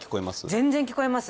全然聞こえます